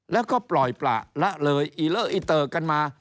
แล้วก็ปล่อยปล่าละเลยอิเล่ออิเติร์กันมา